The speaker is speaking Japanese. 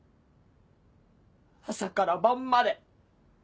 朝から晩まで。